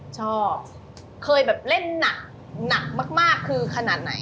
ชอบเคยแบบเล่นหนักหนักมากคือขนาดไหน